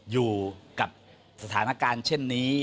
อยู่กับสถานการณ์เช่นนี้